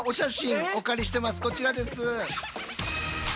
こちらです。